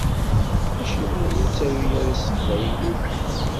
Acimi ur ittaru ara s teqbaylit?